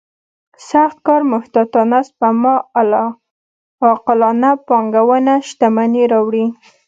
سخت کار محتاطانه سپما عاقلانه پانګونه شتمني راوړي.